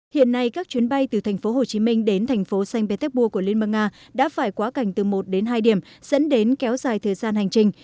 hiện nay các chuyến bay từ tp hcm đến thành phố saint petersburg của liên bang nga đã phải quá cảnh từ một đến hai điểm dẫn đến kéo dài thời gian hành trình